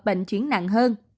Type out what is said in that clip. bệnh chuyển nặng hơn